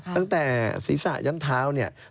ตั้งแต่ศีรษะยั้งเท้าเนี่ย